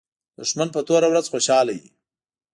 دښمن په توره ورځ خوشاله وي